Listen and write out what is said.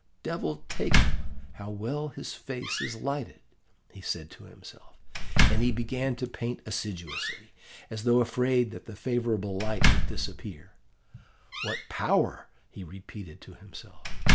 'Devil take him, how well his face is lighted!' he said to himself, and began to paint assiduously, as though afraid that the favourable light would disappear. 'What power!' he repeated to himself.